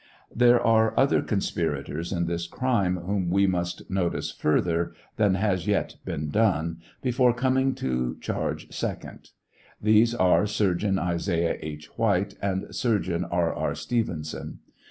There are other conspirators in this crime whom we must notice further than has yet been done, before coming to charge second ; these are Surgeon Isaiah H. White and Surgeon R. R. Stevenson.